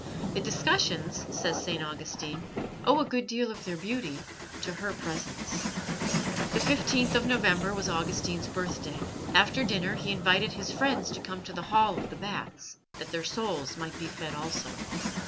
The discussions, says St. Augustine, owed a good deal of their beauty to her presence. The 15th of November was Augustine's birthday. After dinner he invited his friends to come to the hall of the baths, that their souls might be fed also.